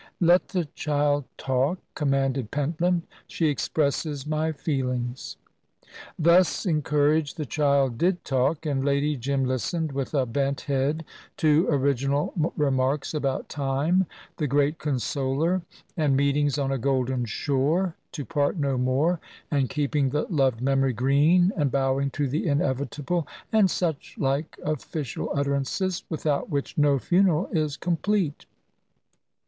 "Let the child talk," commanded Pentland; "she expresses my feelings." Thus encouraged, the child did talk, and Lady Jim listened with a bent head to original remarks about Time, the great consoler, and meetings on a golden shore, to part no more, and keeping the loved memory green, and bowing to the inevitable, and such like official utterances, without which no funeral is complete.